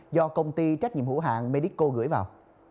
do công ty trách nhiệm hữu hạng medicco gửi vào